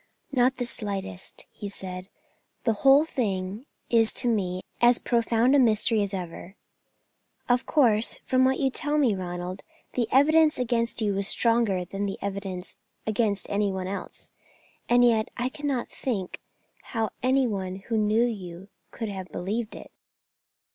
"Not the slightest," he said; "the whole thing is to me as profound a mystery as ever." "Of course, from what you tell me, Ronald, the evidence against you was stronger than against any one else, and yet I cannot think how any one who knew you could have believed it."